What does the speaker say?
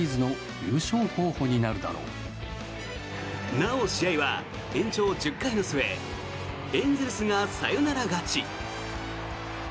なお、試合は延長１０回の末エンゼルスがサヨナラ勝ち。